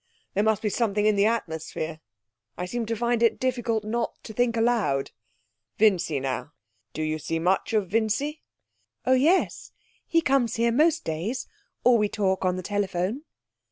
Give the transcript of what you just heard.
There must be something in the atmosphere I seem to find it difficult not to think aloud Vincy, now do you see much of Vincy?' 'Oh yes; he comes here most days, or we talk on the telephone.'